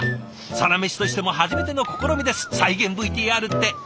「サラメシ」としても初めての試みです再現ＶＴＲって。